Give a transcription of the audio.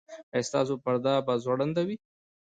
ایا ستاسو پرده به ځوړنده وي؟